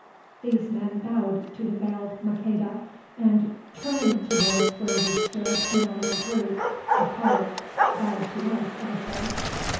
These men bowed to the veiled Maqueda and, turning toward where we stood in a little group apart, bowed to us also.